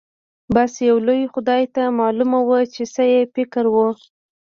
بس يو لوی خدای ته معلومه وه چې څه يې فکر و.